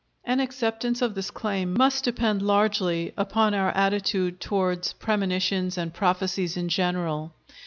An acceptance of this claim must depend largely upon our attitude toward premonitions and prophecies in general.